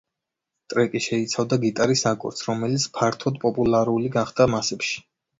ტრეკი შეიცავდა გიტარის აკორდს, რომელიც ფართოდ პოპულარული გახდა მასებში.